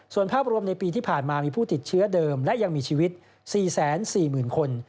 ส่วนภาพรวมในปีที่ผ่านมามีผู้ติดเชื้อเดิมและยังมีชีวิต๔๔๐๐๐คน